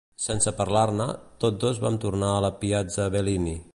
Sense parlar-ne, tots dos vam tornar a la piazza Bellini.